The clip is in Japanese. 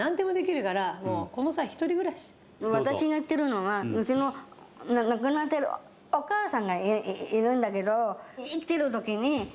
私が言ってるのはうちの亡くなってるお母さんがいるんだけど。